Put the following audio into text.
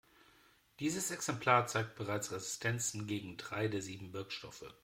Dieses Exemplar zeigt bereits Resistenzen gegen drei der sieben Wirkstoffe.